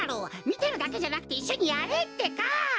みてるだけじゃなくていっしょにやれってか！